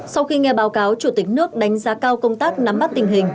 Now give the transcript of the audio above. sau khi nghe báo cáo chủ tịch nước đánh giá cao công tác nắm bắt tình hình